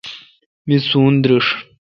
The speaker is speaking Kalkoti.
می سون درݭ۔